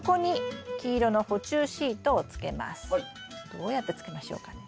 どうやってつけましょうかね？